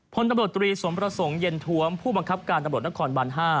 พลตำรวจตรีสมประสงค์เย็นทวมผู้บังคับการตำรวจนครบาน๕